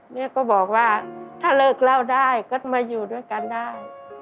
แม่ก็บอกว่าถ้าเลิกเล่าได้ก็มาอยู่ด้วยกันได้